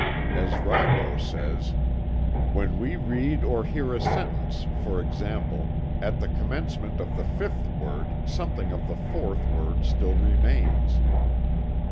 As Ribot says: "When we read or hear a sentence, for example, at the commencement of the fifth word something of the fourth word still remains.